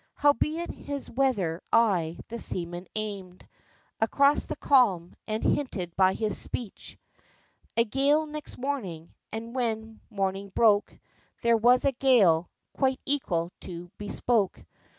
Howbeit his weather eye the seaman aimed Across the calm, and hinted by his speech A gale next morning and when morning broke, There was a gale "quite equal to bespoke."